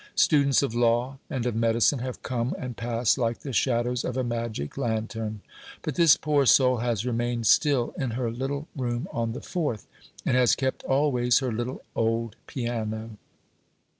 Students of law and of medicine have come and passed like the shadows of a magic lantern; but this poor soul has remained still in her little room on the fourth, and has kept always her little old piano.